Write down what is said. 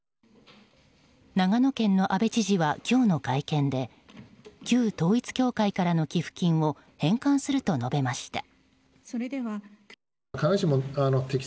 長野県の阿部知事は今日の会見で旧統一教会からの寄付金を返還すると述べました。